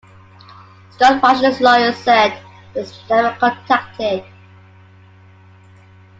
Scott Rush's lawyers said he was never contacted.